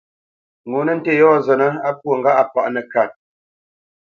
Ŋo nə́ ntê yɔ̂ zətnə́ á pwô ŋgâʼ a páʼ nəkât.